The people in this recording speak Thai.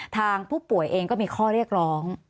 ทางผู้ป่วยเองก็มีข้อเรียกร้อง